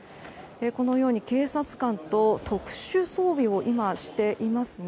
このように警察官と特殊装備を今、していますね。